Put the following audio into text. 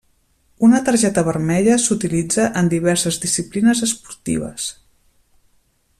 Una targeta vermella s'utilitza en diverses disciplines esportives.